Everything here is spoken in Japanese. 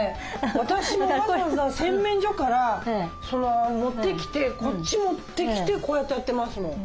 私もわざわざ洗面所から持ってきてこっち持ってきてこうやってやってますもん。